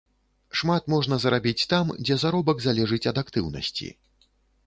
Шмат можна зарабіць там, дзе заробак залежыць ад актыўнасці.